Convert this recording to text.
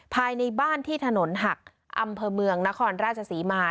ภายในบ้านที่ถนนหักอำเภอเมืองนครราชศรีมา